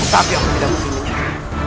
tapi aku tidak mungkin menyerah